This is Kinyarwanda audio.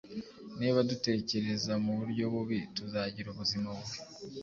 Niba dutekereza mu buryo bubi, tuzagira ubuzima bubi.